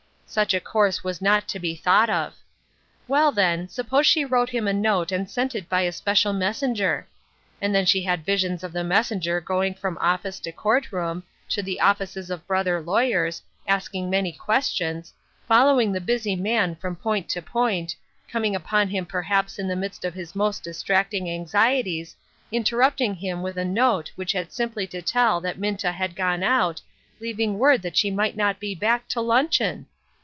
Such a course was not to be thought of. Well, then, suppose she wrote him a note and sent it by a special messenger ? And then she had visions of the messenger going from office to court room, to the offices of brother lawyers, asking many questions, following the busy man from point to point, coming upon him perhaps in the midst of his most distracting anxieties, inter rupting him with a note which had simply to tell that Minta had gone out, leaving word that she might .not be back to luncheon